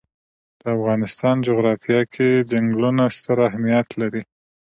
د افغانستان جغرافیه کې چنګلونه ستر اهمیت لري.